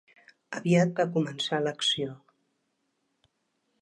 Aviat va començar l'acció.